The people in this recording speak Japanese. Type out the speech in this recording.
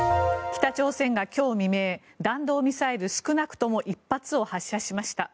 北朝鮮が今日未明弾道ミサイル少なくとも１発を発射しました。